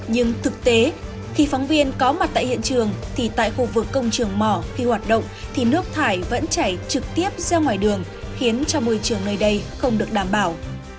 nhưng thực tế khi phóng viên có mặt tại hiện trường thì tại khu vực công trường mỏ khi hoạt động thì nước thải vẫn chảy trực tiếp ra ngoài đường khiến cho môi trường nơi đây không được đảm bảo